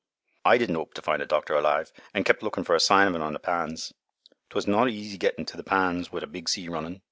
I din' 'ope to find the doctor alive an' kept lookin' for a sign of un on th' pans. 'Twa' no' easy gettin' to th' pans wi' a big sea runnin'!